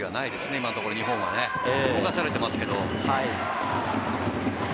今のところ日本はね、泳がされていますけど。